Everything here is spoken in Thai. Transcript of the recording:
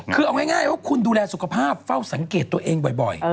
คือเอาง่ายว่าคุณดูแลสุขภาพเฝ้าสังเกตตัวเองบ่อย